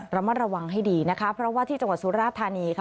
ระมัดระวังให้ดีนะคะเพราะว่าที่จังหวัดสุราธานีค่ะ